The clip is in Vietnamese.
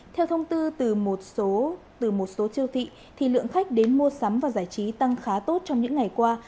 theo thông tư từ một số siêu thị thì lượng khách đến mua sắm và giải trí tăng khá tốt trong những ngày qua